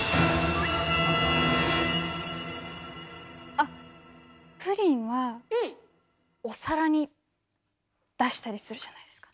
あっプリンはお皿に出したりするじゃないですか。